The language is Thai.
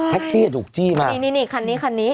แท็กซี่จะถูกจี้มานี่นี่นี่คันนี้คันนี้